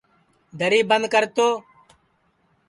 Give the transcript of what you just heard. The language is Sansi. دری بند کر تو